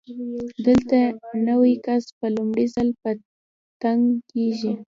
دلته نوی کس په لومړي ځل په تنګ کېږي.